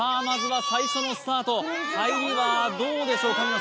まずは最初のスタートタイムがどうでしょう